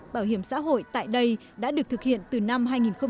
bảo hiểm xã hội tại đây đã được thực hiện từ năm hai nghìn một mươi